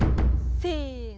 せの。